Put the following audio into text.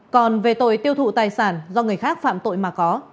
còn về tội tiêu thụ tài sản do người khác phạm tội mà có